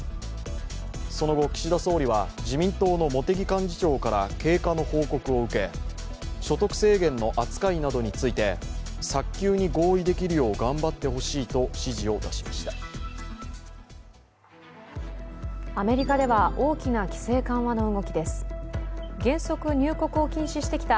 その後、岸田総理は茂木幹事長から経過の報告を受け所得制限の扱いなどについて早急に合意できるよう頑張ってほしいと指示を出しました。